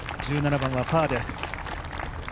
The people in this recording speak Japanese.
１７番はパーです。